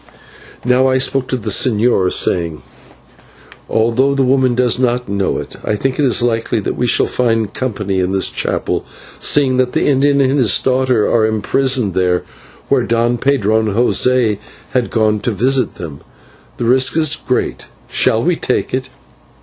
Now I spoke to the señor, saying: "Although the woman does not know it, I think it likely that we shall find company in this chapel, seeing that the Indian and his daughter are imprisoned there, where Don Pedro and José have gone to visit them. The risk is great, shall we take it?"